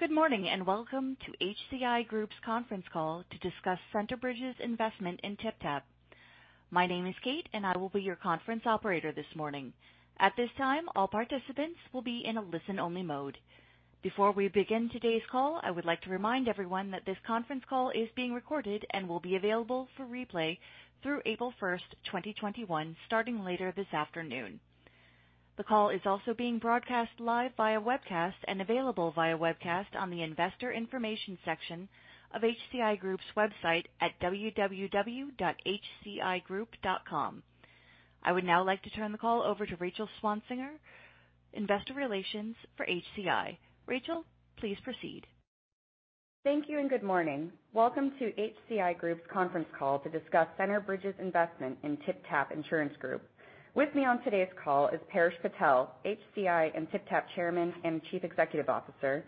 Good morning, welcome to HCI Group's conference call to discuss Centerbridge's investment in TypTap. My name is Kate, I will be your conference operator this morning. At this time, all participants will be in a listen-only mode. Before we begin today's call, I would like to remind everyone that this conference call is being recorded and will be available for replay through April 1st, 2021, starting later this afternoon. The call is also being broadcast live via webcast available via webcast on the investor information section of HCI Group's website at www.hcigroup.com. I would now like to turn the call over to Rachel Swansiger, investor relations for HCI. Rachel, please proceed. Thank you, good morning. Welcome to HCI Group's conference call to discuss Centerbridge's investment in TypTap Insurance Group. With me on today's call is Paresh Patel, HCI and TypTap chairman and chief executive officer,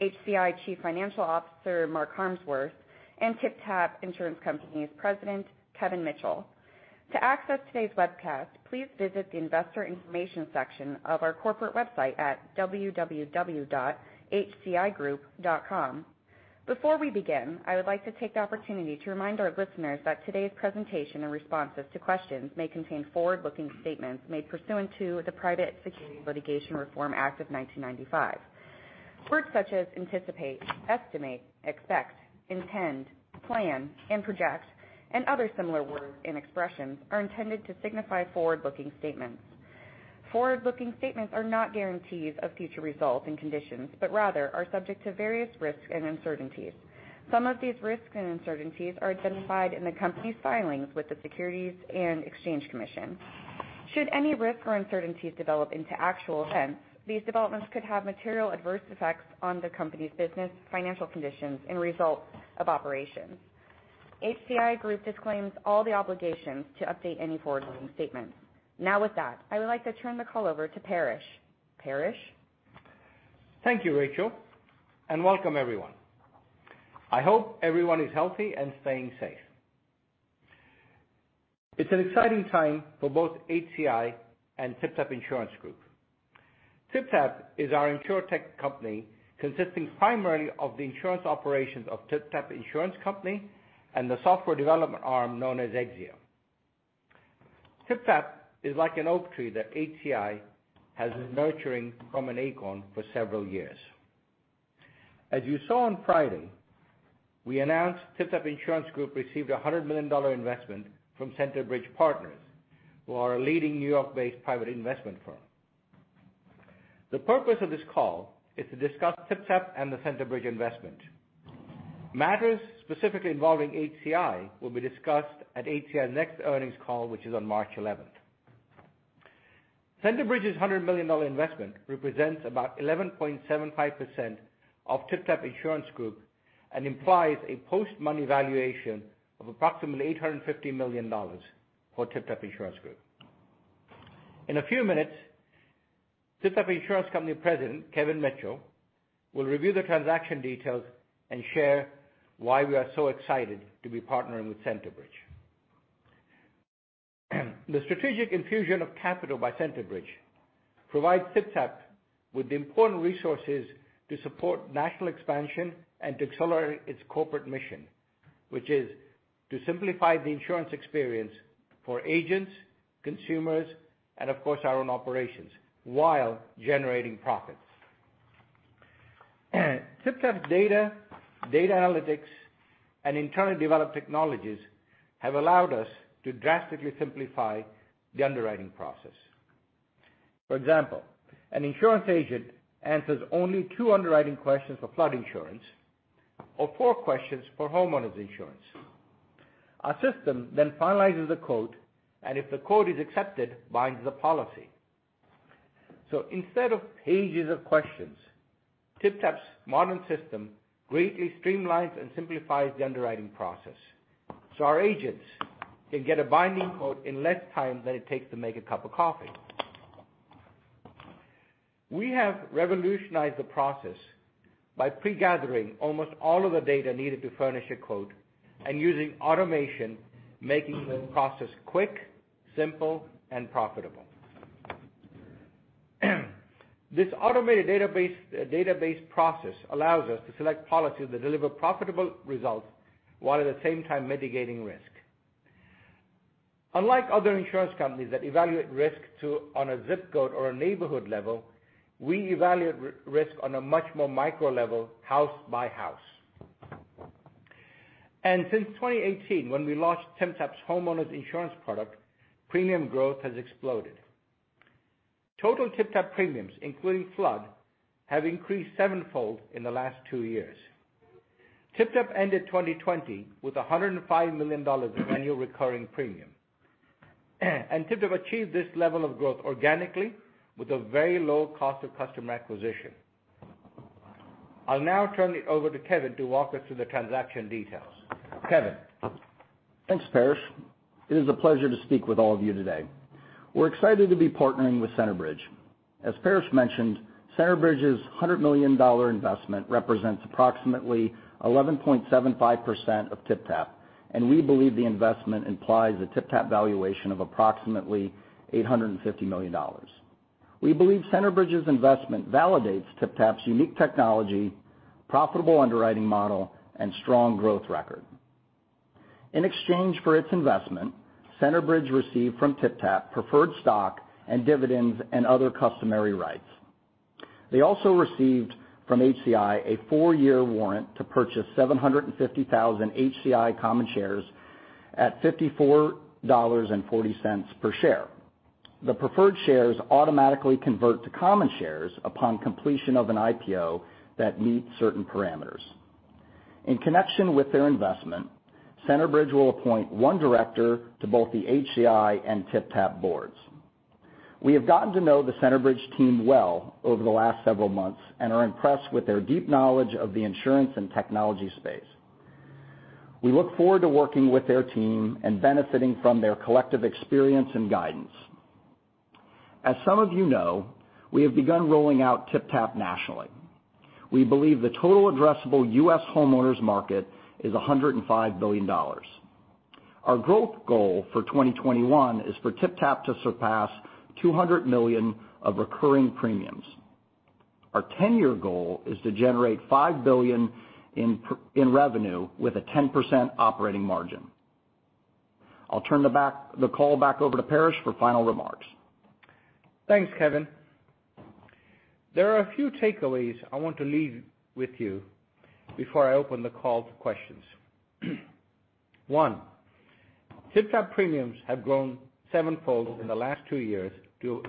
HCI chief financial officer Mark Harmsworth, and TypTap Insurance Company's president, Kevin Mitchell. To access today's webcast, please visit the investor information section of our corporate website at www.hcigroup.com. Before we begin, I would like to take the opportunity to remind our listeners that today's presentation and responses to questions may contain forward-looking statements made pursuant to the Private Securities Litigation Reform Act of 1995. Words such as anticipate, estimate, expect, intend, plan, project, other similar words and expressions are intended to signify forward-looking statements. Forward-looking statements are not guarantees of future results and conditions, rather are subject to various risks and uncertainties. Some of these risks and uncertainties are identified in the company's filings with the Securities and Exchange Commission. Should any risks or uncertainties develop into actual events, these developments could have material adverse effects on the company's business, financial conditions, and results of operations. HCI Group disclaims all the obligations to update any forward-looking statements. With that, I would like to turn the call over to Paresh. Paresh? Thank you, Rachel, welcome everyone. I hope everyone is healthy and staying safe. It's an exciting time for both HCI and TypTap Insurance Group. TypTap is our InsurTech company consisting primarily of the insurance operations of TypTap Insurance Company and the software development arm known as Exzeo. TypTap is like an oak tree that HCI has been nurturing from an acorn for several years. As you saw on Friday, we announced TypTap Insurance Group received a $100 million investment from Centerbridge Partners, who are a leading New York-based private investment firm. The purpose of this call is to discuss TypTap and the Centerbridge investment. Matters specifically involving HCI will be discussed at HCI's next earnings call, which is on March 11th. Centerbridge's $100 million investment represents about 11.75% of TypTap Insurance Group and implies a post-money valuation of approximately $850 million for TypTap Insurance Group. In a few minutes, TypTap Insurance Company President, Kevin Mitchell, will review the transaction details and share why we are so excited to be partnering with Centerbridge. The strategic infusion of capital by Centerbridge provides TypTap with the important resources to support national expansion and to accelerate its corporate mission, which is to simplify the insurance experience for agents, consumers, and of course, our own operations while generating profits. TypTap's data analytics, and internally developed technologies have allowed us to drastically simplify the underwriting process. For example, an insurance agent answers only two underwriting questions for flood insurance or four questions for homeowners insurance. Our system then finalizes the quote, and if the quote is accepted, binds the policy. Instead of pages of questions, TypTap's modern system greatly streamlines and simplifies the underwriting process so our agents can get a binding quote in less time than it takes to make a cup of coffee. We have revolutionized the process by pre-gathering almost all of the data needed to furnish a quote and using automation, making the process quick, simple, and profitable. This automated database process allows us to select policies that deliver profitable results while at the same time mitigating risk. Unlike other insurance companies that evaluate risk on a zip code or a neighborhood level, we evaluate risk on a much more micro level, house by house. Since 2018, when we launched TypTap's homeowners insurance product, premium growth has exploded. Total TypTap premiums, including flood, have increased sevenfold in the last two years. TypTap ended 2020 with $105 million of annual recurring premium. TypTap achieved this level of growth organically with a very low cost of customer acquisition. I'll now turn it over to Kevin to walk us through the transaction details. Kevin? Thanks, Paresh. It is a pleasure to speak with all of you today. We're excited to be partnering with Centerbridge. As Paresh mentioned, Centerbridge's $100 million investment represents approximately 11.75% of TypTap. We believe the investment implies a TypTap valuation of approximately $850 million. We believe Centerbridge's investment validates TypTap's unique technology, profitable underwriting model, and strong growth record. In exchange for its investment, Centerbridge received from TypTap preferred stock and dividends and other customary rights. They also received from HCI a four-year warrant to purchase 750,000 HCI common shares at $54.40 per share. The preferred shares automatically convert to common shares upon completion of an IPO that meets certain parameters. In connection with their investment, Centerbridge will appoint one director to both the HCI and TypTap boards. We have gotten to know the Centerbridge team well over the last several months and are impressed with their deep knowledge of the insurance and technology space. We look forward to working with their team and benefiting from their collective experience and guidance. As some of you know, we have begun rolling out TypTap nationally. We believe the total addressable U.S. homeowners market is $105 billion. Our growth goal for 2021 is for TypTap to surpass $200 million of recurring premiums. Our ten-year goal is to generate $5 billion in revenue with a 10% operating margin. I'll turn the call back over to Paresh for final remarks. Thanks, Kevin. There are a few takeaways I want to leave with you before I open the call to questions. One, TypTap premiums have grown sevenfold in the last two years to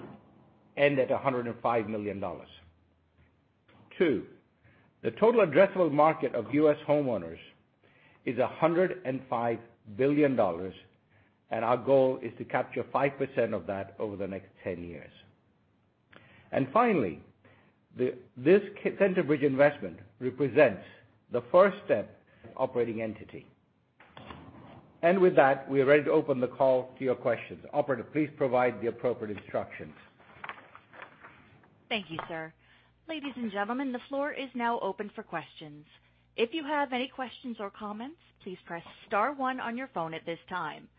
end at $105 million. Two, the total addressable market of U.S. homeowners is $105 billion, and our goal is to capture 5% of that over the next ten years. Finally, this Centerbridge investment represents the first step operating entity. With that, we are ready to open the call to your questions. Operator, please provide the appropriate instructions. Thank you, sir. Ladies and gentlemen, the floor is now open for questions. If you have any questions or comments, please press star one on your phone at this time.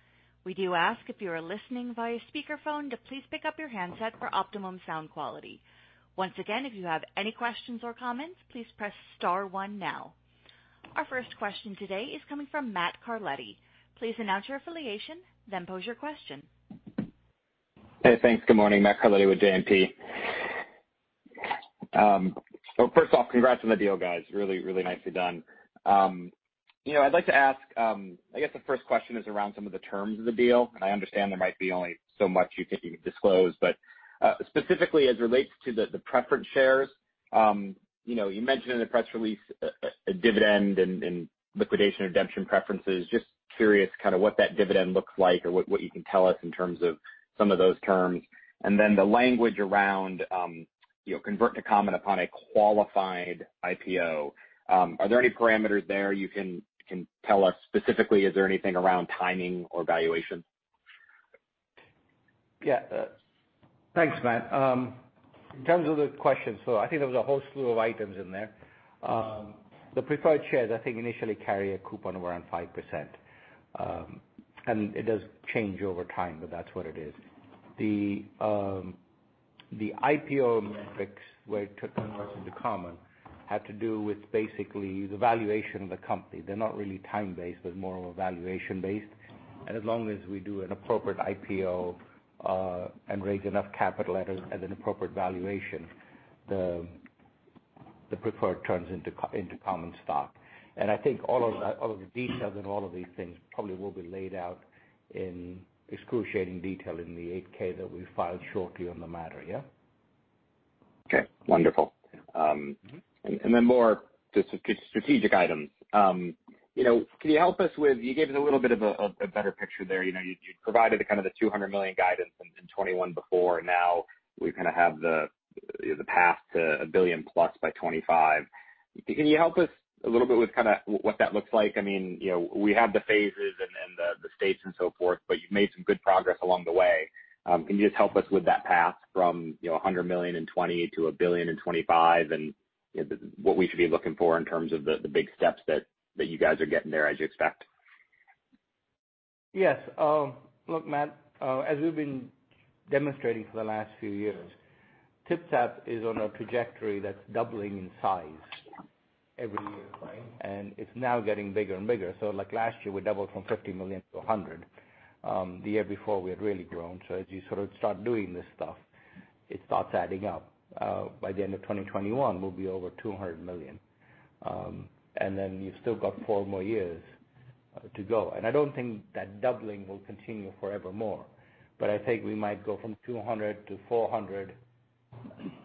We do ask, if you are listening via speakerphone, to please pick up your handset for optimum sound quality. Once again, if you have any questions or comments, please press star one now. Our first question today is coming from Matthew Carletti. Please announce your affiliation, then pose your question. Thanks. Good morning. Matthew Carletti with JMP. First off, congrats on the deal, guys. Really nicely done. I'd like to ask, I guess the first question is around some of the terms of the deal. I understand there might be only so much you think you can disclose, but specifically as it relates to the preference shares. You mentioned in the press release a dividend and liquidation redemption preferences. Just curious what that dividend looks like or what you can tell us in terms of some of those terms. The language around convert to common upon a qualified IPO. Are there any parameters there you can tell us specifically? Is there anything around timing or valuation? Thanks, Matt. In terms of the questions, I think there was a whole slew of items in there. The preferred shares, I think, initially carry a coupon of around 5%. It does change over time, but that's what it is. The IPO metrics, where it converts into common, had to do with basically the valuation of the company. They're not really time-based, but more of a valuation based. As long as we do an appropriate IPO, and raise enough capital at an appropriate valuation, the preferred turns into common stock. I think all of the details and all of these things probably will be laid out in excruciating detail in the 8-K that we file shortly on the matter, yeah? Okay. Wonderful. More just strategic items. Can you help us with, you gave us a little bit of a better picture there. You provided the $200 million guidance in 2021 before, now we kind of have the path to a $1 billion-plus by 2025. Can you help us a little bit with what that looks like? We have the phases and the states and so forth, but you've made some good progress along the way. Can you just help us with that path from $100 million in 2020 to a $1 billion in 2025 and what we should be looking for in terms of the big steps that you guys are getting there as you expect? Yes. Look, Matt, as we've been demonstrating for the last few years, TypTap is on a trajectory that's doubling in size every year. Right. It's now getting bigger and bigger. Last year we doubled from $50 million-$100 million. The year before we had really grown. As you sort of start doing this stuff, it starts adding up. By the end of 2021, we'll be over $200 million. Then you've still got four more years to go. I don't think that doubling will continue forevermore, but I think we might go from $200 million to $400 million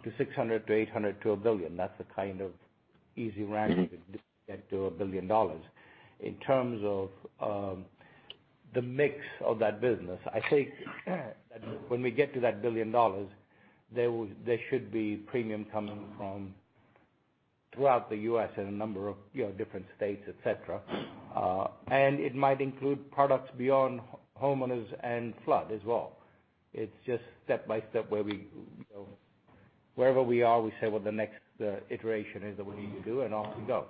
to $600 million to $800 million to $1 billion. That's the kind of easy ramp you could get to $1 billion. In terms of the mix of that business, I think that when we get to that $1 billion, there should be premium coming from throughout the U.S. in a number of different states, et cetera. It might include products beyond homeowners and flood as well. It's just step by step where we go. Wherever we are, we say what the next iteration is that we need to do, off we go.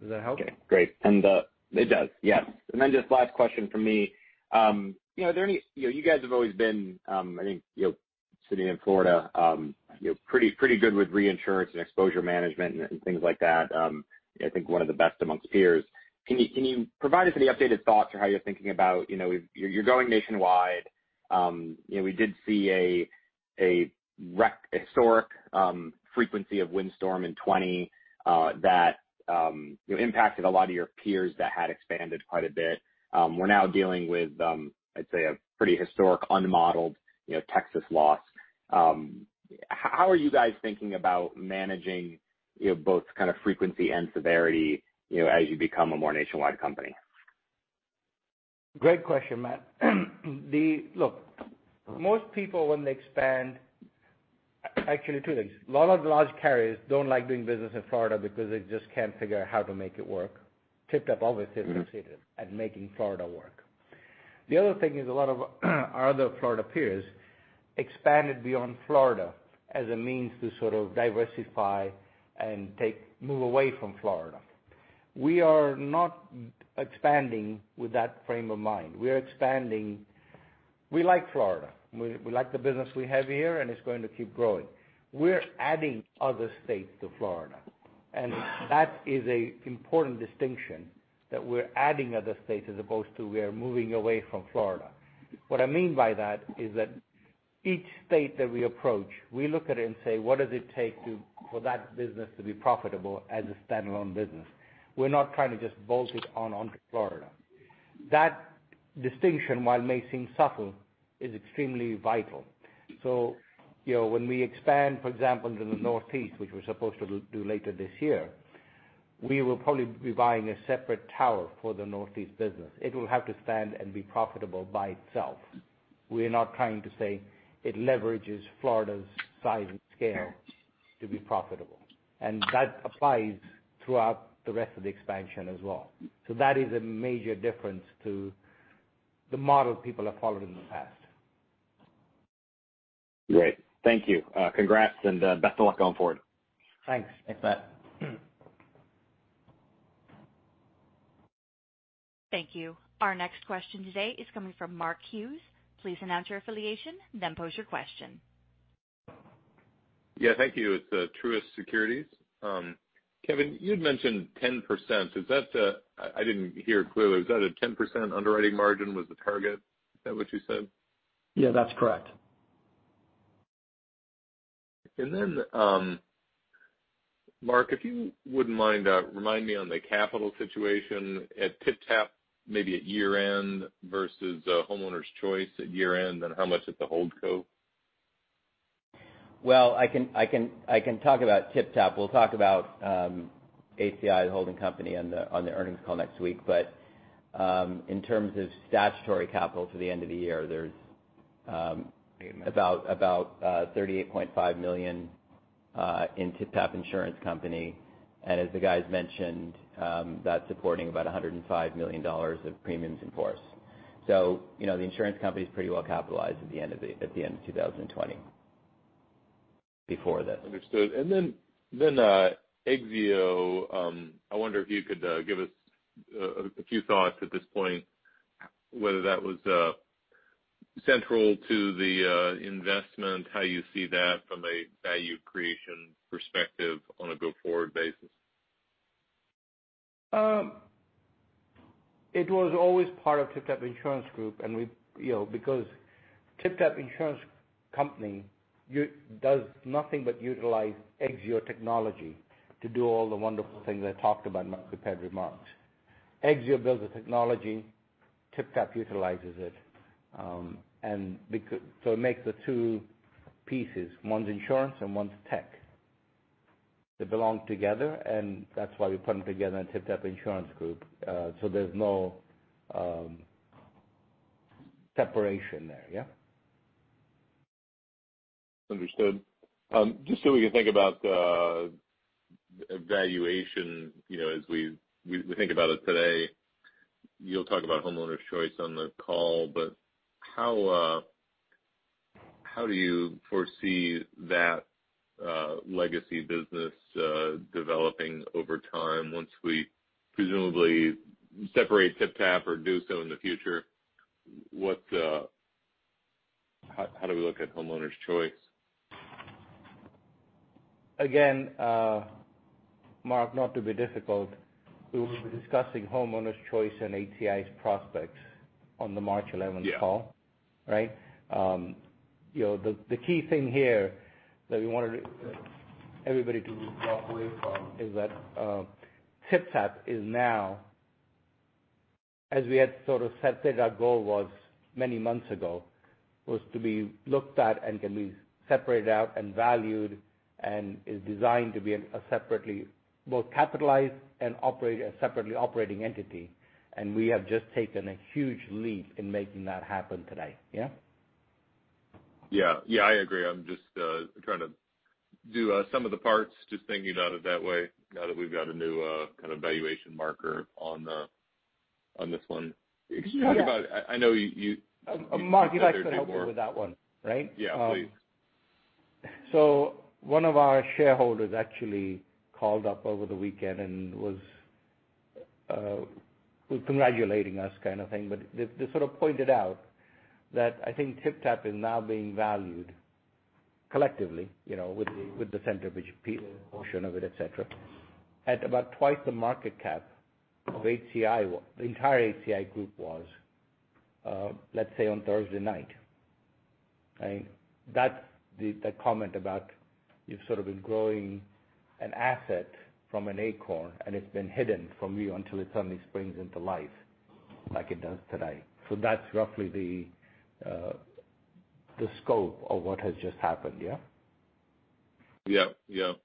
Does that help? Okay, great. It does, yeah. Then just last question from me. You guys have always been, I think, sitting in Florida, pretty good with reinsurance and exposure management and things like that. I think one of the best amongst peers. Can you provide us any updated thoughts or how you're thinking about you're going nationwide. We did see a historic frequency of windstorm in 2020 that impacted a lot of your peers that had expanded quite a bit. We're now dealing with, I'd say a pretty historic unmodeled Texas loss. How are you guys thinking about managing both frequency and severity, as you become a more nationwide company? Great question, Matt. Actually two things. A lot of the large carriers don't like doing business in Florida because they just can't figure out how to make it work. TypTap obviously has succeeded at making Florida work. The other thing is a lot of our other Florida peers expanded beyond Florida as a means to sort of diversify and move away from Florida. We are not expanding with that frame of mind. We're expanding. We like Florida. We like the business we have here, and it's going to keep growing. We're adding other states to Florida, and that is an important distinction, that we're adding other states as opposed to we are moving away from Florida. What I mean by that is that each state that we approach, we look at it and say, "What does it take for that business to be profitable as a standalone business?" We're not trying to just bolt it on to Florida. That distinction, while it may seem subtle, is extremely vital. When we expand, for example, to the Northeast, which we're supposed to do later this year, we will probably be buying a separate tower for the Northeast business. It will have to stand and be profitable by itself. We're not trying to say it leverages Florida's size and scale to be profitable. That applies throughout the rest of the expansion as well. That is a major difference to the model people have followed in the past. Great. Thank you. Congrats and best of luck going forward. Thanks. Thanks, Matt. Thank you. Our next question today is coming from Mark Hughes. Please announce your affiliation, then pose your question. Yeah, thank you. It's Truist Securities. Kevin, you'd mentioned 10%. I didn't hear it clearly. Is that a 10% underwriting margin was the target? Is that what you said? Yeah, that's correct. Then, Mark, if you wouldn't mind, remind me on the capital situation at TypTap, maybe at year end versus Homeowners Choice at year end, and how much at the hold co. I can talk about TypTap. We'll talk about HCI, the holding company, on the earnings call next week. In terms of statutory capital to the end of the year, there's about $38.5 million in TypTap Insurance Company, and as the guys mentioned, that's supporting about $105 million of premiums in force. The insurance company's pretty well capitalized at the end of 2020, before this. Understood. Exzeo, I wonder if you could give us a few thoughts at this point, whether that was central to the investment, how you see that from a value creation perspective on a go forward basis. It was always part of TypTap Insurance Group, because TypTap Insurance Company does nothing but utilize Exzeo technology to do all the wonderful things I talked about in my prepared remarks. Exzeo builds the technology, TypTap utilizes it. It makes the two pieces. One's insurance and one's tech. They belong together, and that's why we put them together in TypTap Insurance Group. There's no separation there, yeah. Understood. So we can think about valuation as we think about it today, you'll talk about Homeowners Choice on the call, how do you foresee that legacy business developing over time once we presumably separate TypTap or do so in the future? How do we look at Homeowners Choice? Again, Mark, not to be difficult, we will be discussing Homeowners Choice and HCI's prospects on the March 11th call. Yeah. Right? The key thing here that we wanted everybody to walk away from is that TypTap is now, as we had sort of set that our goal was many months ago, was to be looked at and can be separated out and valued and is designed to be both capitalized and a separately operating entity. We have just taken a huge leap in making that happen today, yeah? Yeah. I agree. I'm just trying to do a sum of the parts, just thinking about it that way now that we've got a new kind of valuation marker on this one. Yeah. Could you talk about I know you- Mark, you'd like to help me with that one, right? Yeah, please. One of our shareholders actually called up over the weekend and was congratulating us kind of thing, but they sort of pointed out that I think TypTap is now being valued collectively, with the Centerbridge portion of it, et cetera, at about twice the market cap of the entire HCI Group was, let's say, on Thursday night. Right. That's the comment about you've sort of been growing an asset from an acorn, and it's been hidden from you until it suddenly springs into life like it does today. That's roughly the scope of what has just happened, yeah? Yep.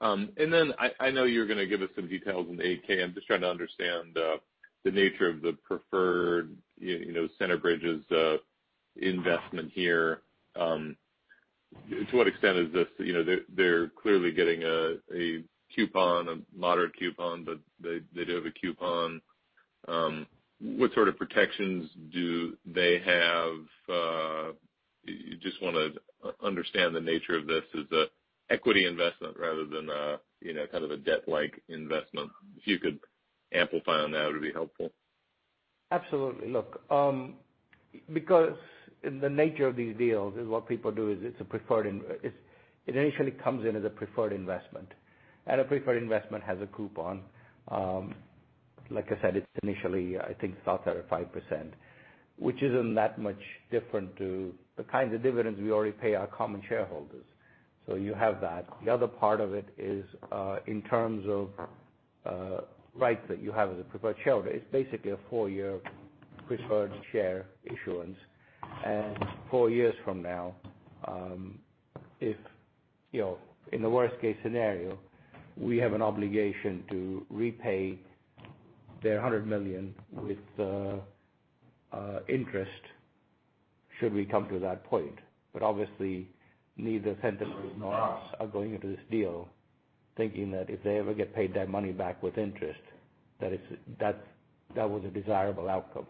I know you're going to give us some details on the 8-K. I'm just trying to understand the nature of the preferred, Centerbridge's investment here. To what extent is this, they're clearly getting a coupon, a moderate coupon, but they do have a coupon. What sort of protections do they have? Just want to understand the nature of this as an equity investment rather than a kind of a debt-like investment. If you could amplify on that, it would be helpful. Absolutely. Look, because in the nature of these deals, what people do is it initially comes in as a preferred investment. A preferred investment has a coupon. Like I said, it's initially, I think it's out there at 5%, which isn't that much different to the kinds of dividends we already pay our common shareholders. You have that. The other part of it is, in terms of rights that you have as a preferred shareholder, it's basically a four-year preferred share issuance. Four years from now, if in the worst-case scenario, we have an obligation to repay their $100 million with interest, should we come to that point. Obviously, neither Centerbridge nor us are going into this deal thinking that if they ever get paid their money back with interest, that was a desirable outcome.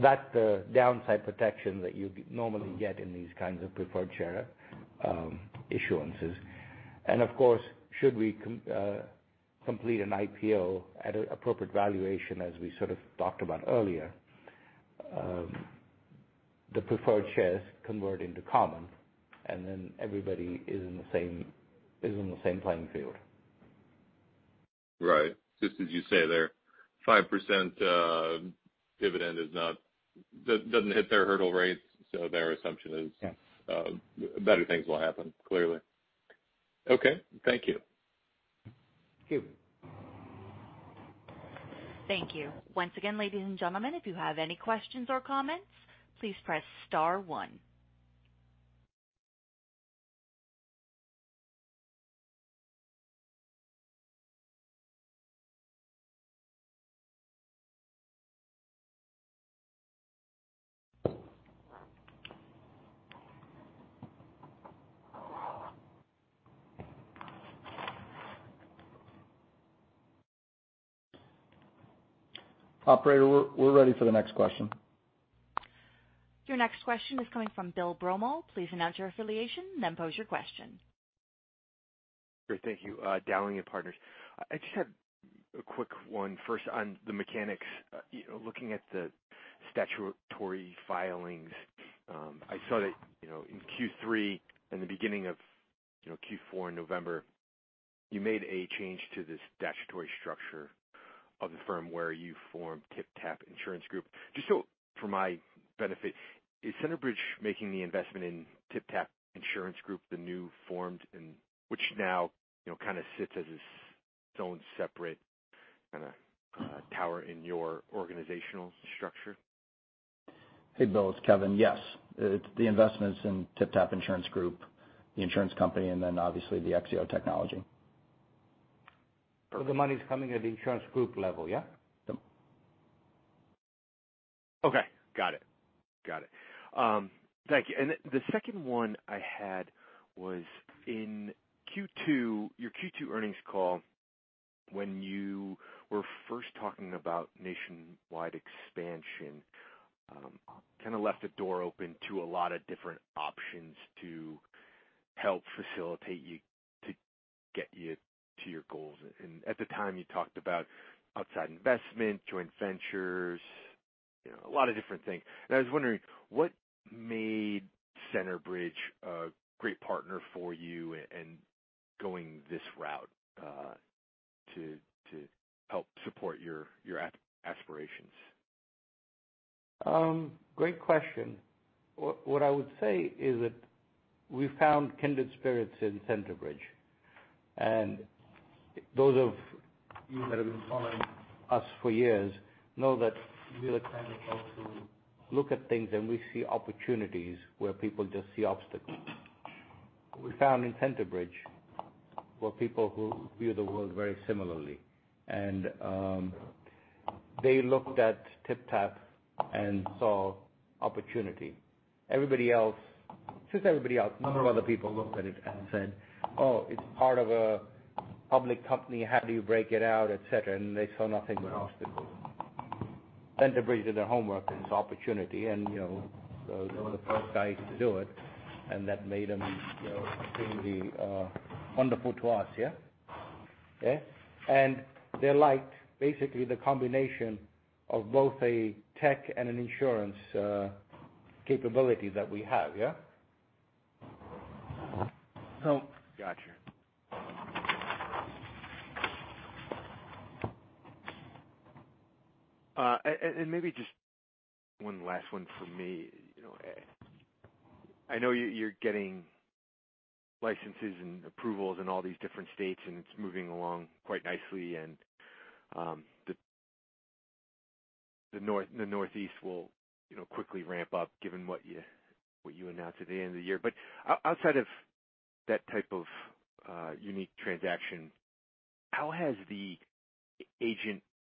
That's the downside protection that you'd normally get in these kinds of preferred share issuances. Of course, should we complete an IPO at an appropriate valuation, as we sort of talked about earlier, the preferred shares convert into common, then everybody is in the same playing field. Right. Just as you say there, 5% dividend doesn't hit their hurdle rates, so their assumption is. Yeah Better things will happen, clearly. Okay. Thank you. Thank you. Thank you. Once again, ladies and gentlemen, if you have any questions or comments, please press star one. Operator, we're ready for the next question. Your next question is coming from Bill Broomall. Please announce your affiliation, then pose your question. Great. Thank you. Dowling & Partners. I just had a quick one first on the mechanics. Looking at the statutory filings, I saw that in Q3 and the beginning of Q4 in November, you made a change to the statutory structure of the firm where you formed TypTap Insurance Group. Just for my benefit, is Centerbridge making the investment in TypTap Insurance Group, the new formed, which now sits as its own separate tower in your organizational structure? Hey, Bill, it's Kevin. Yes. The investment's in TypTap Insurance Group, the insurance company, and then obviously the Exzeo technology. The money's coming at the insurance group level, yeah? Yep. Okay, got it. Thank you. The second one I had was in your Q2 earnings call, when you were first talking about nationwide expansion, kind of left the door open to a lot of different options to help facilitate to get you to your goals. At the time, you talked about outside investment, joint ventures, a lot of different things. I was wondering what made Centerbridge a great partner for you in going this route, to help support your aspirations? Great question. What I would say is that we found kindred spirits in Centerbridge. Those of you that have been following us for years know that we are the kind of folks who look at things, and we see opportunities where people just see obstacles. We found in Centerbridge were people who view the world very similarly. They looked at TypTap and saw opportunity. Everybody else Since everybody else, a number of other people looked at it and said, "Oh, it's part of a public company, how do you break it out?" Et cetera. They saw nothing but obstacles. Centerbridge did their homework and this opportunity, and they were the first guys to do it, and that made them extremely wonderful to us, yeah? They liked basically the combination of both a tech and an insurance capability that we have, yeah? Got you. Maybe just one last one from me. I know you're getting licenses and approvals in all these different states, it's moving along quite nicely, the Northeast will quickly ramp up given what you announced at the end of the year. Outside of that type of unique transaction, how has the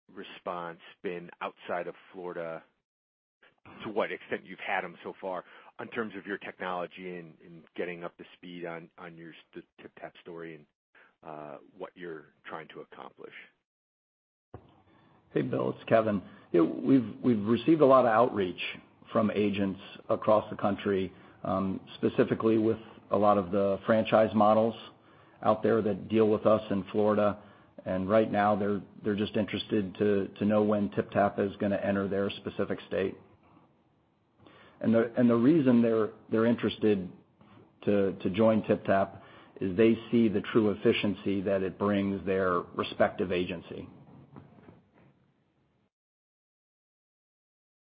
agent response been outside of Florida to what extent you've had them so far in terms of your technology and getting up to speed on your TypTap story and what you're trying to accomplish? Hey, Bill, it's Kevin. We've received a lot of outreach from agents across the country, specifically with a lot of the franchise models out there that deal with us in Florida. Right now they're just interested to know when TypTap is going to enter their specific state. The reason they're interested to join TypTap is they see the true efficiency that it brings their respective agency.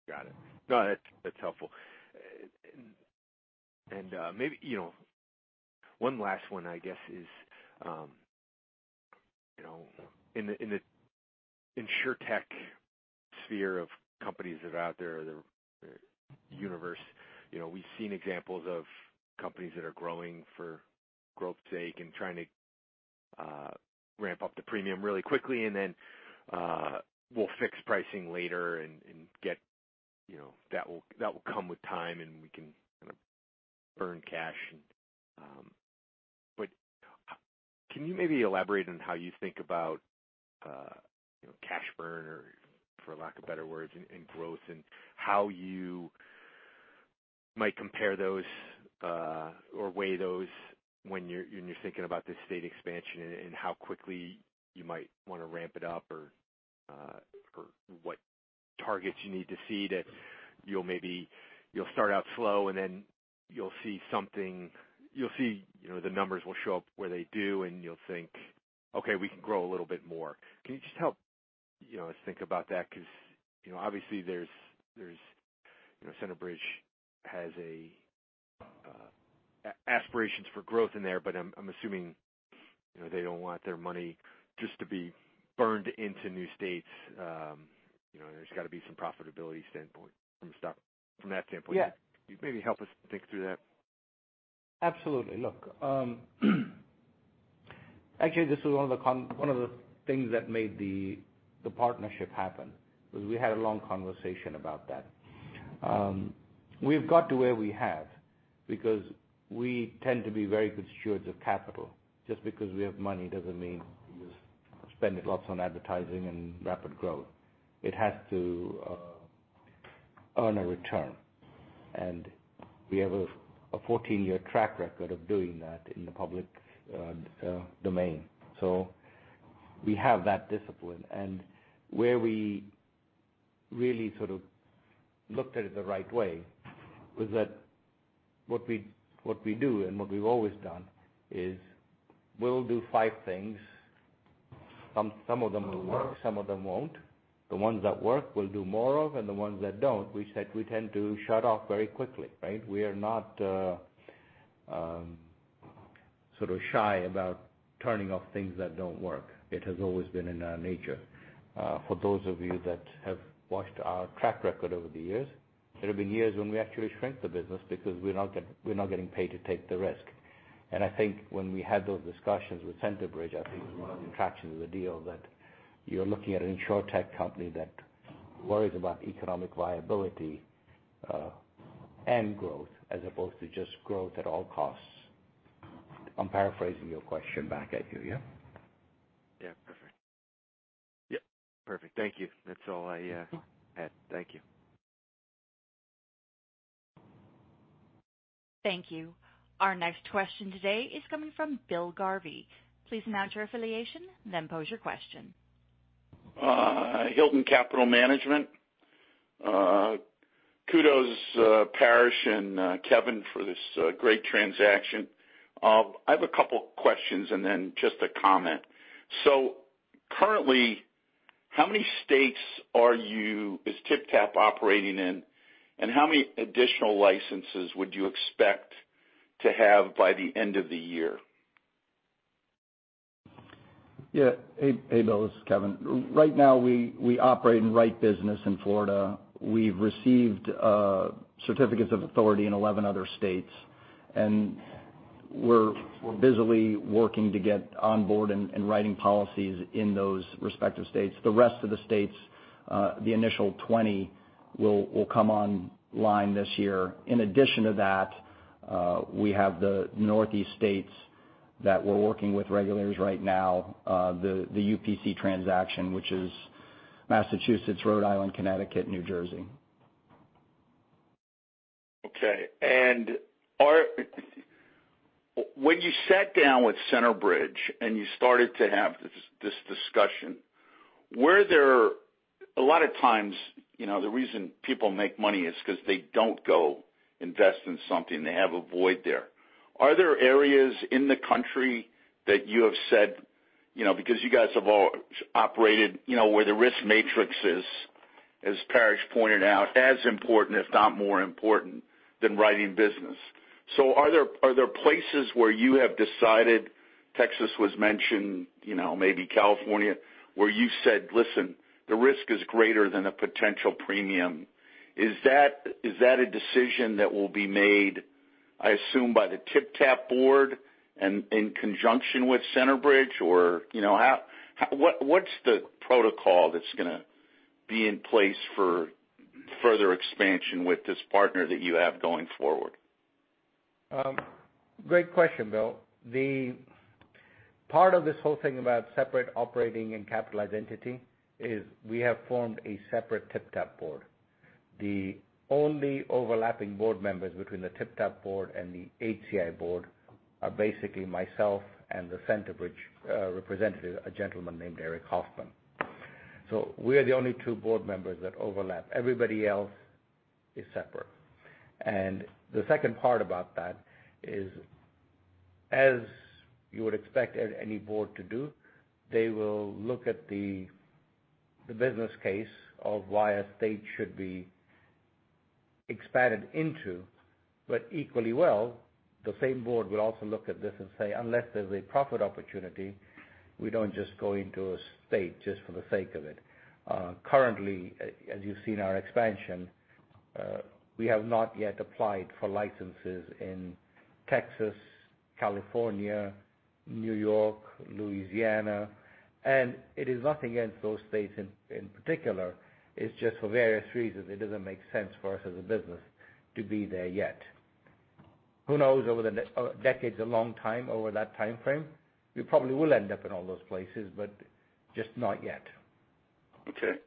Got it. No, that's helpful. Maybe one last one, I guess is, in the InsurTech sphere of companies that are out there, the universe, we've seen examples of companies that are growing for growth's sake and trying to ramp up the premium really quickly and then we'll fix pricing later and that will come with time, and we can burn cash. Can you maybe elaborate on how you think about cash burn or for lack of better words, and growth, and how you might compare those or weigh those when you're thinking about this state expansion, and how quickly you might want to ramp it up or what targets you need to see that you'll start out slow and then you'll see the numbers will show up where they do, and you'll think, "Okay, we can grow a little bit more." Can you just help us think about that? Obviously Centerbridge has aspirations for growth in there, but I'm assuming they don't want their money just to be burned into new states. There's got to be some profitability standpoint from that standpoint. Yeah. Can you maybe help us think through that? Absolutely. Look, actually, this is one of the things that made the partnership happen, because we had a long conversation about that. We've got to where we have because we tend to be very good stewards of capital. Just because we have money doesn't mean we'll spend it lots on advertising and rapid growth. It has to earn a return, and we have a 14-year track record of doing that in the public domain. We have that discipline, and where we really sort of looked at it the right way was that what we do and what we've always done is we'll do five things. Some of them will work, some of them won't. The ones that work, we'll do more of, and the ones that don't, we said we tend to shut off very quickly, right? We are not shy about turning off things that don't work. It has always been in our nature. For those of you that have watched our track record over the years, there have been years when we actually shrank the business because we're not getting paid to take the risk. I think when we had those discussions with Centerbridge, I think it was one of the attractions of the deal that you're looking at an InsurTech company that worries about economic viability, and growth, as opposed to just growth at all costs. I'm paraphrasing your question back at you, yeah? Yeah. Perfect. Thank you. That's all I had. Thank you. Thank you. Our next question today is coming from Bill Garvey. Please announce your affiliation, then pose your question. Hilton Capital Management. Kudos, Paresh and Kevin for this great transaction. I have a couple questions and then just a comment. Currently, how many states is TypTap operating in, and how many additional licenses would you expect to have by the end of the year? Yeah. Hey, Bill, this is Kevin. Right now, we operate in write business in Florida. We've received certificates of authority in 11 other states. We're busily working to get on board and writing policies in those respective states. The rest of the states, the initial 20, will come online this year. In addition to that, we have the Northeast states that we're working with regulators right now, the UPC transaction, which is Massachusetts, Rhode Island, Connecticut, New Jersey. Okay. When you sat down with Centerbridge and you started to have this discussion, a lot of times, the reason people make money is because they don't go invest in something. They have a void there. Are there areas in the country that you have said, because you guys have always operated where the risk matrix is, as Paresh pointed out, as important, if not more important, than writing business. Are there places where you have decided, Texas was mentioned, maybe California, where you said, "Listen, the risk is greater than a potential premium." Is that a decision that will be made, I assume, by the TypTap board and in conjunction with Centerbridge? What's the protocol that's going to be in place for further expansion with this partner that you have going forward? Great question, Bill. The part of this whole thing about separate operating and capitalized entity is we have formed a separate TypTap board. The only overlapping board members between the TypTap board and the HCI board are basically myself and the Centerbridge representative, a gentleman named Eric Hoffman. We are the only two board members that overlap. Everybody else is separate. The second part about that is, as you would expect any board to do, they will look at the business case of why a state should be expanded into, but equally well, the same board will also look at this and say, unless there's a profit opportunity, we don't just go into a state just for the sake of it. Currently, as you've seen our expansion, we have not yet applied for licenses in Texas, California, New York, Louisiana, and it is nothing against those states in particular. It's just for various reasons, it doesn't make sense for us as a business to be there yet. Who knows over the next decades, a long time over that timeframe, we probably will end up in all those places, but just not yet. Okay.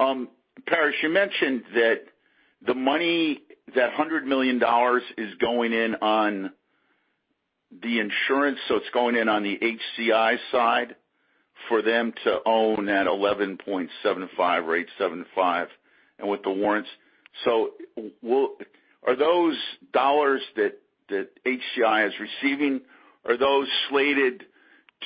Paresh, you mentioned that the money, that $100 million, is going in on the insurance, so it's going in on the HCI side for them to own that 11.75 or 875, and with the warrants. Are those dollars that HCI is receiving, are those slated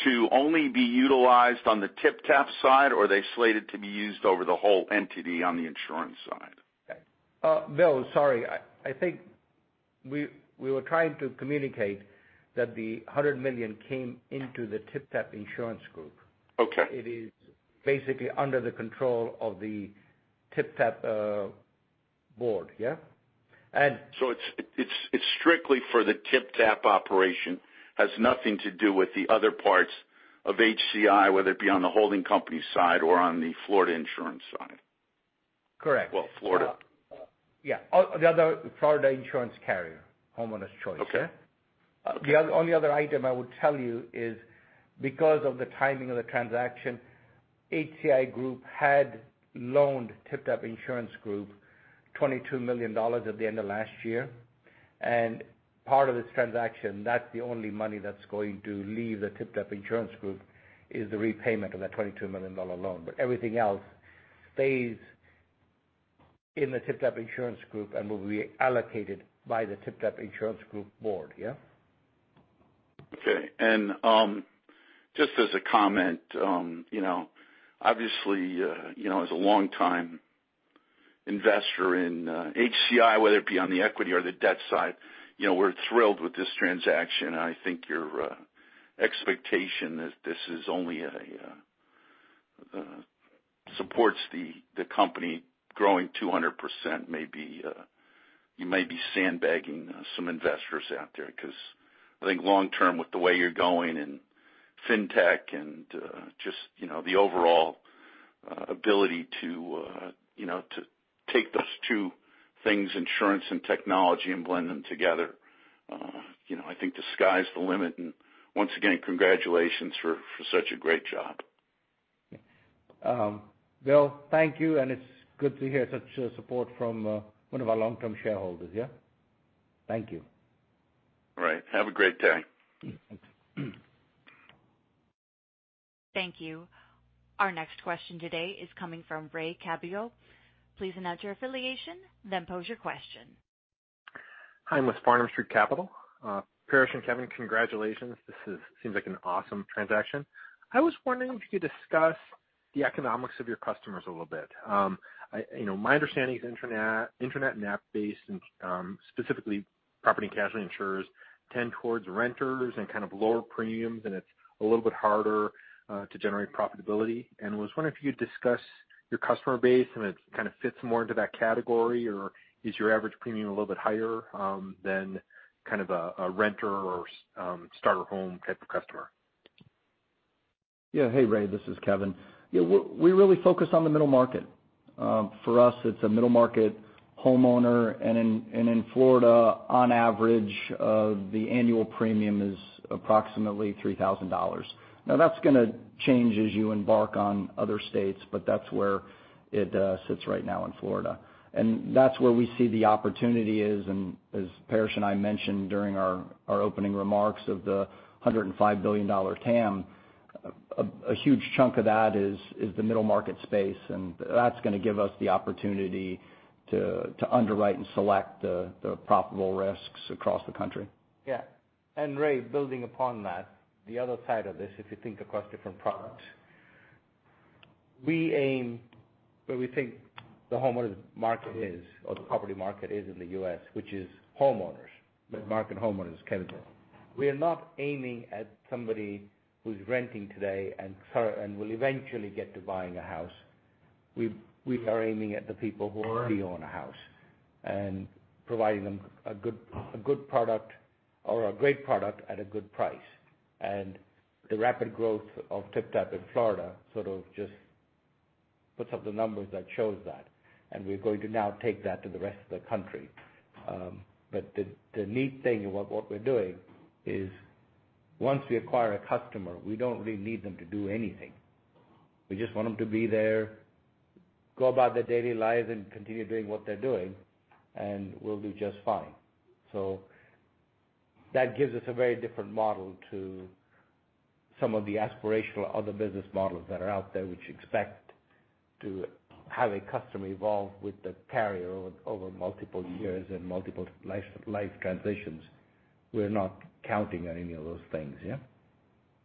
to only be utilized on the TypTap side, or are they slated to be used over the whole entity on the insurance side? Bill, sorry. I think we were trying to communicate that the $100 million came into the TypTap Insurance Group. Okay. It is basically under the control of the TypTap board, yeah? It's strictly for the TypTap operation, has nothing to do with the other parts of HCI, whether it be on the holding company side or on the Florida insurance side. Correct. Well, Florida. Yeah. The other Florida insurance carrier, Homeowners Choice. Okay. The only other item I would tell you is because of the timing of the transaction, HCI Group had loaned TypTap Insurance Group $22 million at the end of last year. Part of this transaction, that's the only money that's going to leave the TypTap Insurance Group is the repayment of that $22 million loan. Everything else stays in the TypTap Insurance Group and will be allocated by the TypTap Insurance Group board, yeah? Okay. Just as a comment, obviously, as a longtime investor in HCI, whether it be on the equity or the debt side, we're thrilled with this transaction. I think your expectation that this only supports the company growing 200%, you may be sandbagging some investors out there because I think long-term with the way you're going in fintech and just the overall ability to take those two things, insurance and technology, and blend them together, I think the sky's the limit. Once again, congratulations for such a great job. Bill, thank you, and it's good to hear such support from one of our long-term shareholders, yeah? Thank you. All right. Have a great day. Thanks. Thank you. Our next question today is coming from Ray Cabillot. Please announce your affiliation, then pose your question. I'm with Farnam Street Capital. Paresh and Kevin, congratulations. This seems like an awesome transaction. I was wondering if you could discuss the economics of your customers a little bit. My understanding is internet and app-based, and specifically property and casualty insurers, tend towards renters and kind of lower premiums, and it's a little bit harder to generate profitability. I was wondering if you could discuss your customer base and it kind of fits more into that category, or is your average premium a little bit higher than kind of a renter or starter home type of customer? Hey, Ray, this is Kevin. We really focus on the middle market. For us, it's a middle-market homeowner, and in Florida, on average, the annual premium is approximately $3,000. That's gonna change as you embark on other states, but that's where it sits right now in Florida. That's where we see the opportunity is, and as Paresh and I mentioned during our opening remarks of the $105 billion TAM, a huge chunk of that is the middle market space, and that's gonna give us the opportunity to underwrite and select the profitable risks across the country. Ray, building upon that, the other side of this, if you think across different products, we aim where we think the homeowners market is, or the property market is in the U.S., which is homeowners. The market homeowners, Kevin. We are not aiming at somebody who's renting today and will eventually get to buying a house. We are aiming at the people who already own a house and providing them a good product or a great product at a good price. The rapid growth of TypTap in Florida sort of just puts up the numbers that shows that. We're going to now take that to the rest of the country. The neat thing about what we're doing is once we acquire a customer, we don't really need them to do anything. We just want them to be there, go about their daily lives and continue doing what they're doing, and we'll do just fine. That gives us a very different model to some of the aspirational other business models that are out there, which expect to have a customer evolve with the carrier over multiple years and multiple life transitions. We're not counting on any of those things, yeah.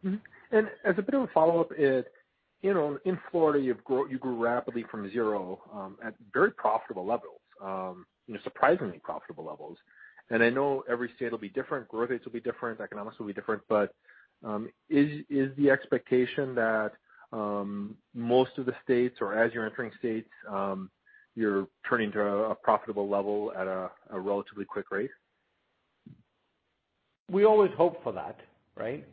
Mm-hmm. As a bit of a follow-up, in Florida, you grew rapidly from zero at very profitable levels, surprisingly profitable levels. I know every state will be different, growth rates will be different, economics will be different, but is the expectation that most of the states or as you're entering states, you're turning to a profitable level at a relatively quick rate? We always hope for that, right?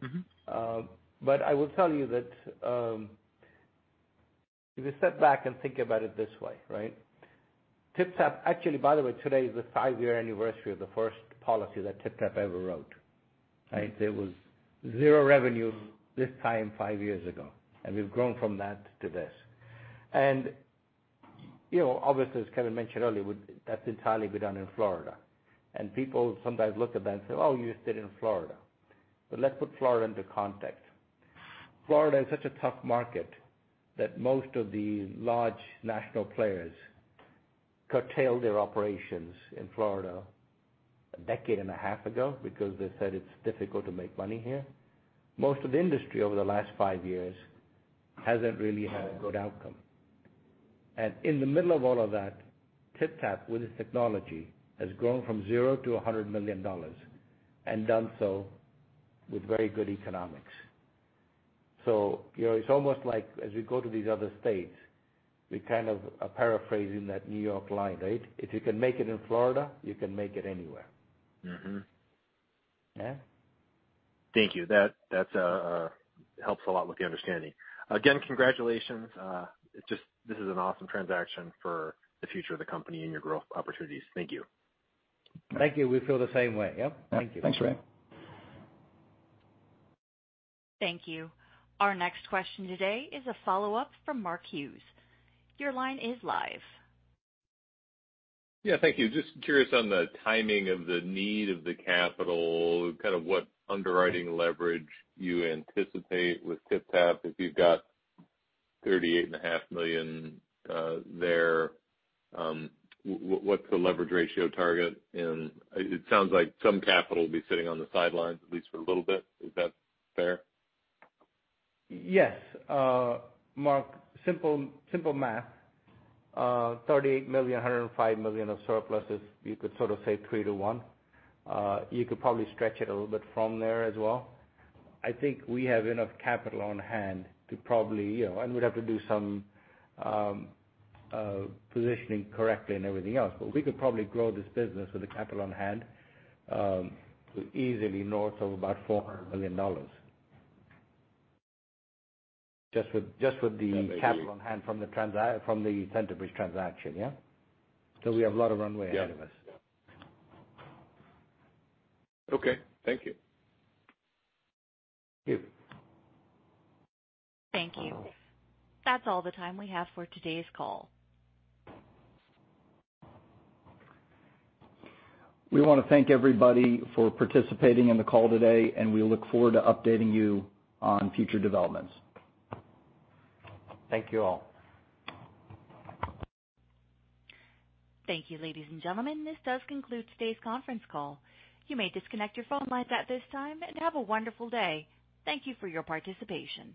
I will tell you that if you step back and think about it this way, right? Actually, by the way, today is the five-year anniversary of the first policy that TypTap ever wrote, right? There was zero revenue this time five years ago, we've grown from that to this. Obviously, as Kevin mentioned earlier, that's entirely been done in Florida. People sometimes look at that and say, "Oh, you just did it in Florida." Let's put Florida into context. Florida is such a tough market that most of the large national players curtailed their operations in Florida a decade and a half ago because they said it's difficult to make money here. Most of the industry over the last five years hasn't really had a good outcome. In the middle of all of that, TypTap, with its technology, has grown from zero to $100 million and done so with very good economics. It's almost like as we go to these other states, we kind of are paraphrasing that New York line, right? If you can make it in Florida, you can make it anywhere. Yeah? Thank you. That helps a lot with the understanding. Again, congratulations. This is an awesome transaction for the future of the company and your growth opportunities. Thank you. Thank you. We feel the same way, yeah. Thank you. Thanks, Ray. Thank you. Our next question today is a follow-up from Mark Hughes. Your line is live. Yeah, thank you. Just curious on the timing of the need of the capital, kind of what underwriting leverage you anticipate with TypTap. If you've got $38.5 million there, what's the leverage ratio target? It sounds like some capital will be sitting on the sidelines, at least for a little bit. Is that fair? Yes. Mark, simple math. $38 million, $105 million of surplus is, you could sort of say 3 to 1. You could probably stretch it a little bit from there as well. I think we have enough capital on hand to probably and we'd have to do some positioning correctly and everything else. We could probably grow this business with the capital on hand to easily north of about $400 million. Just with the capital- That may be on hand from the Centerbridge transaction, yeah? We have a lot of runway ahead of us. Yeah. Okay. Thank you. Thank you. Thank you. That's all the time we have for today's call. We want to thank everybody for participating in the call today, and we look forward to updating you on future developments. Thank you all. Thank you, ladies and gentlemen. This does conclude today's conference call. You may disconnect your phone lines at this time and have a wonderful day. Thank you for your participation.